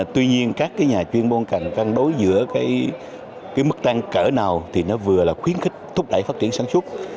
tuy nhiên các nhà chuyên môn cần cân đối giữa cái mức tăng cỡ nào thì nó vừa là khuyến khích thúc đẩy phát triển sản xuất